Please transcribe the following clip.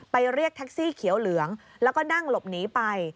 เรียกแท็กซี่เขียวเหลืองแล้วก็นั่งหลบหนีไป